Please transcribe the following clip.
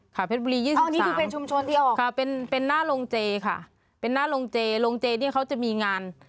ค่ะเพชรบุรี๒๓ค่ะเป็นหน้าโรงเจค่ะโรงเจนี่เขาจะมีงาน